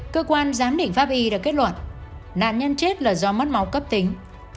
cơ quan giám định pháp y đã kết luận nạn nhân chết là do mất máu cấp tính